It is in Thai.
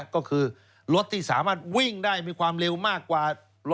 ก็คือรถที่สามารถวิ่งได้มีความเร็วมากกว่า